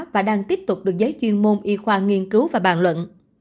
và đang tiếp tục được giới chuyên môn y khoa nghiên cứu và bàn luận